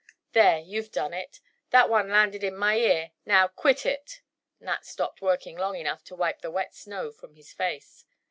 "There, you've done it! That one landed in my ear! Now, quit it!" Nat stopped working long enough to wipe the wet snow from his face.